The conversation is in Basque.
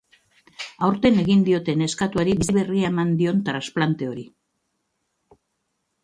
Aurten egin diote neskatoari bizi berria eman dion transplante hori.